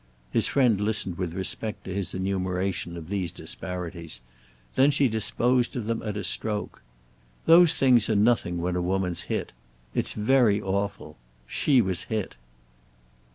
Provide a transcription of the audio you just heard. His friend listened with respect to his enumeration of these disparities; then she disposed of them at a stroke. "Those things are nothing when a woman's hit. It's very awful. She was hit."